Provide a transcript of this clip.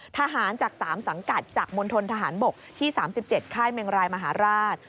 ทหารจาก๓สังกัดจากมณฑนทหารบกที่๓๗ค่ายเมงรายมหาราช